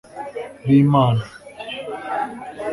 b'imana